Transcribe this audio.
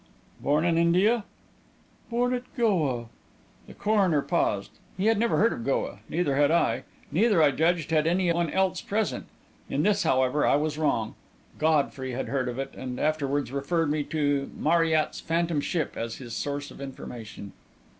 "Born in India?" "Born at Goa." The coroner paused. He had never heard of Goa. Neither had I. Neither, I judged, had any one else present. In this, however, I was wrong. Godfrey had heard of it, and afterwards referred me to Marryat's "Phantom Ship" as his source of information.